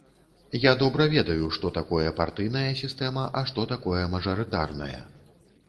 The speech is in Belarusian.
Я добра ведаю, што такое партыйная сістэма, а што такое мажарытарная.